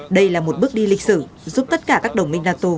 đây là một bước đi lịch sử giúp tất cả các đồng minh nato